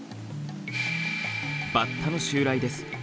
バッタの襲来です。